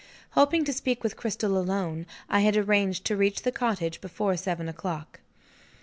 Hoping to speak with Cristel alone, I had arranged to reach the cottage before seven o'clock.